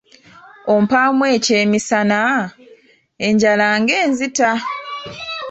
Ompaamu eky'emisana, enjala ng'enzita?